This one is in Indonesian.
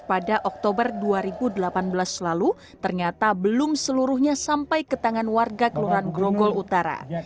pada oktober dua ribu delapan belas lalu ternyata belum seluruhnya sampai ke tangan warga kelurahan grogol utara